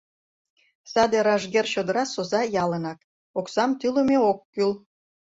Саде ражгер чодыра Соза ялынак, оксам тӱлымӧ ок кӱл.